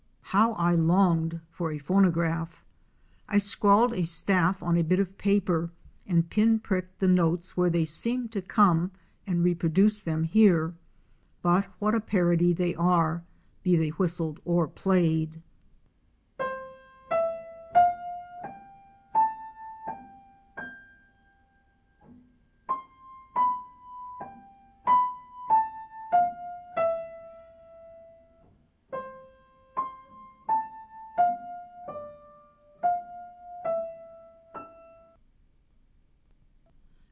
How I longed for a phonograph! I scrawled a staff on a bit of paper and pin pricked the notes where they seemed to come and repro duce them here. But what a parody they are, be they whistled or played!